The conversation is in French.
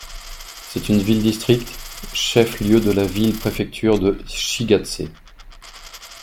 C'est une ville-district, chef-lieu de la ville-préfecture de Shigatsé.